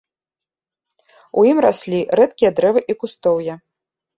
У ім раслі рэдкія дрэвы і кустоўе.